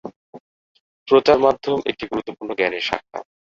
প্রচার মাধ্যম একটি গুরুত্বপূর্ণ জ্ঞানের শাখা।